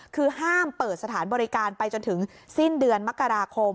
คือห้ามเปิดสถานบริการไปจนถึงสิ้นเดือนมกราคม